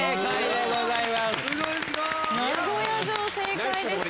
はい。